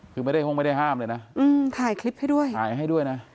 คือไม่ได้ห้องไม่ได้ห้ามเลยนะถ่ายคลิปให้ด้วยถ่ายให้ด้วยนะ